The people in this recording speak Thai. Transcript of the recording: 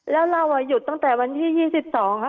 แล้วเราหยุดตั้งแต่วันที่๒๒ค่ะ